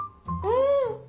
うん！